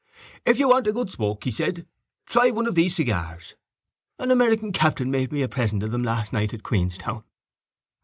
—If you want a good smoke, he said, try one of these cigars. An American captain made me a present of them last night in Queenstown.